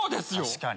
確かに！